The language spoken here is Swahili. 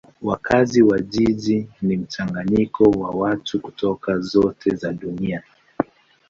Wakazi wa jiji ni mchanganyiko wa watu kutoka zote za dunia.